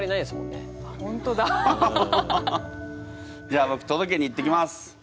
じゃあぼくとどけに行ってきます。